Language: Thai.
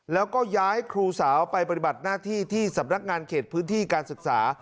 แล้วก็ย้ายครูสาวไปปฏิบัติหน้าที่ที่สำนักงานเขตพื้นที่การศึกษา